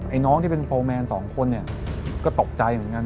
ไอ้น้องที่เป็นโฟร์แมน๒คนก็ตกใจอย่างนั้น